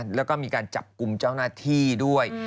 แล้วก็มีการจับกลุ่มเจ้าหน้าที่ด้วย